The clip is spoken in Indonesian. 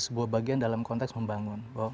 sebuah bagian dalam konteks membangun